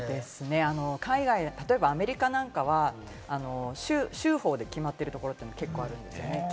海外、例えばアメリカなんかは州法で決まってるところって結構あるんですよね。